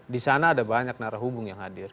di sana ada banyak narah hubung yang hadir